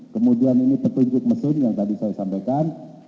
kemudian ini petunjuk mesin yang tadi saya sampaikan